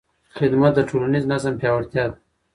خدمت د ټولنیز نظم پیاوړتیا ده.